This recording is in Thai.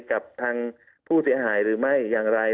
กับทางผู้เสียหายหรือไม่อย่างไร